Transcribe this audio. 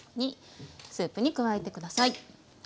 スープに加えて下さい。